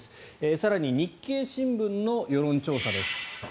更に、日経新聞の世論調査です。